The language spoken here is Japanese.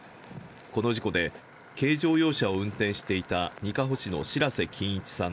この事故で軽乗用車を運転していた、にかほ市の白瀬金市さん